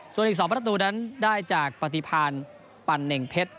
ส่วนอีก๒ประตูนั้นได้จากปฏิพันธ์ปันเน่งเพชร